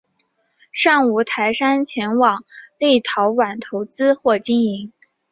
尚无台商前往立陶宛投资或经营。